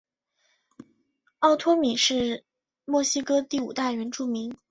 奥托米人是墨西哥第五大原住民。